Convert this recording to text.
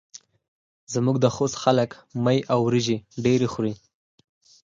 زموږ د خوست خلک مۍ وریژې ډېرې خوري.